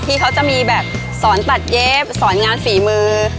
ที่เขาจะมีแบบสอนตัดเย็บสอนงานฝีมือ